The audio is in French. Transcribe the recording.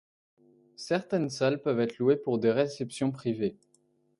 Certaines salles peuvent être louées pour des réceptions privées.